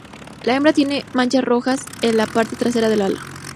La hembra tiene manchas rojas en la parte trasera del ala.